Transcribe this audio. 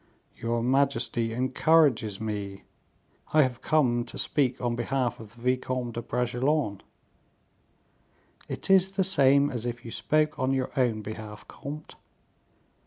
"Your majesty encourages me. I have come to speak on behalf of the Vicomte de Bragelonne." "It is the same as if you spoke on your own behalf, comte."